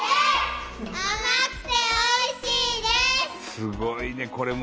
すごいねこれも。